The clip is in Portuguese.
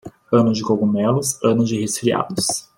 Ano de cogumelos, ano de resfriados.